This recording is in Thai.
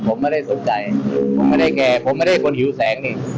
ผมไม่ได้สนใจผมไม่ได้แก่ผมไม่ได้คนหิวแสงนี่